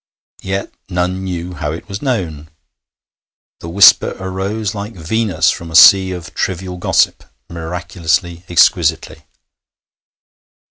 Yet none knew how it was known. The whisper arose like Venus from a sea of trivial gossip, miraculously, exquisitely.